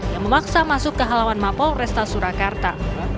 yang memaksa masuk ke halaman mapol resta surakarta